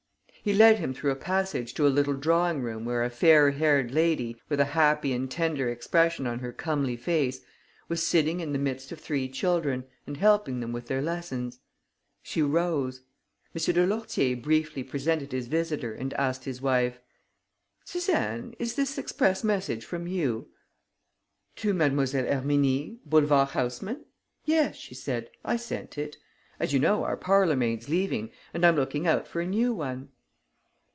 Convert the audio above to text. He led him through a passage to a little drawing room where a fair haired lady, with a happy and tender expression on her comely face, was sitting in the midst of three children and helping them with their lessons. She rose. M. de Lourtier briefly presented his visitor and asked his wife: "Suzanne, is this express message from you?" "To Mlle. Herminie, Boulevard Haussmann? Yes," she said, "I sent it. As you know, our parlour maid's leaving and I'm looking out for a new one."